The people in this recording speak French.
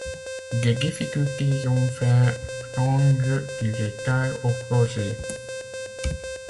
Des difficultés ont fait prendre du retard au projet.